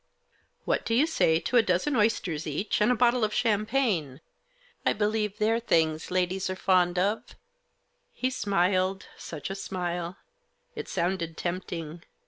What do you say to a dozen oysters each, and a bottle of champagne ? I believe they're things ladies are fond of." He smiled — such a smile. It sounded tempting.